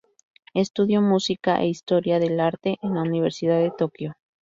Estudió música e historia del arte en la universidad de Tokio.